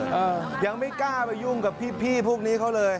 เออยังไม่กล้าไปยุ่งกับพี่พวกนี้เขาเลย